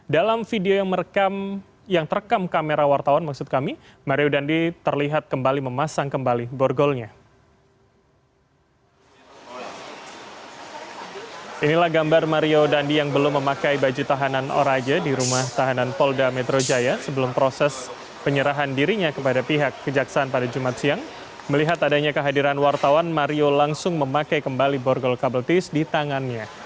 dalam video yang merekam yang terekam kamera wartawan maksud kami mario dandi terlihat kembali memasang kembali borgolnya